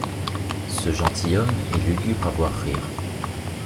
Ce gentilhomme est lugubre à voir rire.